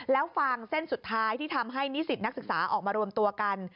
แล้วฟางเส้นสุดท้ายที่ทำให้นิสิตนักศึกษาออกมารวมตัวกัน